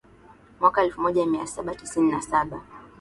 Mwaka elfu moja mia saba tisini na saba